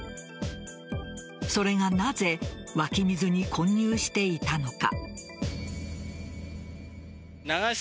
それがなぜ湧き水に混入していたのか。